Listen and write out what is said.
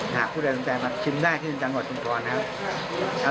จากผู้ตายสุดใจมาชิมได้ที่จังหวะชุมพรณ์ครับ